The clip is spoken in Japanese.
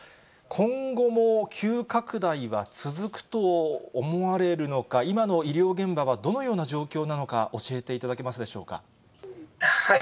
今後も急拡大は続くと思われるのか、今の医療現場はどのような状況なのか、教えていただけますでしょうか？